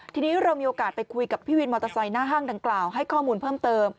ทีนี้เรามีโอกาสไปคุยกับพี่วินมอเตอร์ไซค์หน้าห้างดังกล่าวให้ข้อมูลเพิ่มเติม